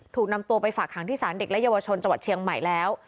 ถูกนำตัวไปฝากหางที่สารเด็กและเยาวชนจังหวัดเชียงใหม่แล้ว